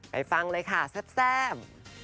ไปฟังเลยค่ะซับแซม